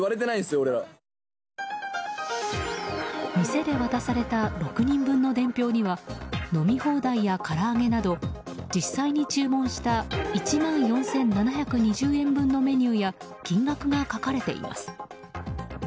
店で渡された６人分の伝票には飲み放題や、から揚げなど実際に注文した１万４７２０円分のメニューや金額が書かれています。